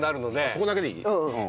ここだけでいい？